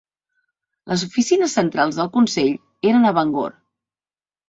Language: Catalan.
Les oficines centrals del consell eren a Bangor.